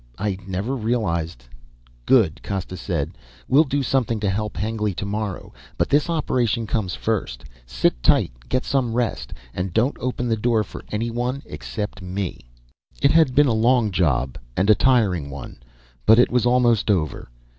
I never realized." "Good," Costa said. "We'll do something to help Hengly tomorrow, but this operation comes first. Sit tight. Get some rest. And don't open the door for anyone except me." It had been a long job and a tiring one but it was almost over.